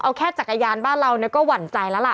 เอาแค่จักรยานบ้านเราก็หวั่นใจแล้วล่ะ